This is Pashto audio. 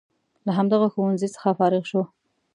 له همدغه ښوونځي څخه فارغ شو.